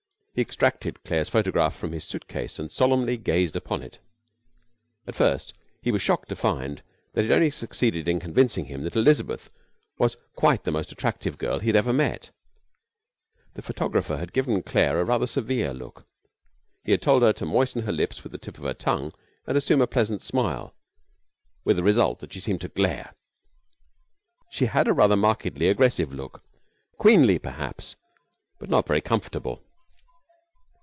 He extracted Claire's photograph from his suit case and gazed solemnly upon it. At first he was shocked to find that it only succeeded in convincing him that Elizabeth was quite the most attractive girl he ever had met. The photographer had given Claire rather a severe look. He had told her to moisten the lips with the tip of the tongue and assume a pleasant smile, with the result that she seemed to glare. She had a rather markedly aggressive look, queenly perhaps, but not very comfortable.